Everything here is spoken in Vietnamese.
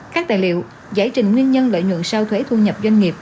các tài liệu giải trình nguyên nhân lợi nhuận sau thuế thu nhập doanh nghiệp